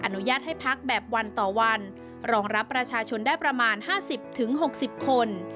อนุญาตให้พักแบบวันต่อวันรองรับประชาชนได้ประมาณ๕๐๖๐คน